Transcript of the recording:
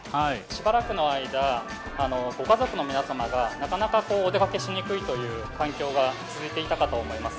しばらくの間、ご家族の皆様がなかなかお出かけしにくいという環境が続いていたかと思います。